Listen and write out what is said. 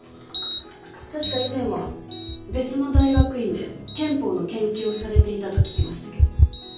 確か以前は別の大学院で憲法の研究をされていたと聞きましたけど。